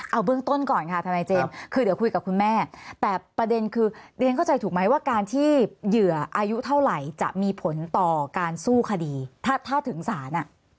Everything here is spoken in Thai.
เอาเบื้องต้นก่อนค่ะทนายเจมส์คือเดี๋ยวคุยกับคุณแม่แต่ประเด็นคือเรียนเข้าใจถูกไหมว่าการที่เหยื่ออายุเท่าไหร่จะมีผลต่อการสู้คดีถ้าถึงศาล